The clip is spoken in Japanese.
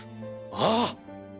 ああ！